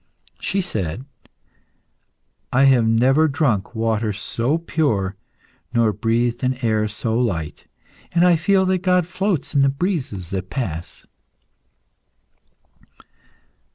She said "I have never drunk water so pure nor breathed an air so light, and I feel that God floats in the breezes that pass."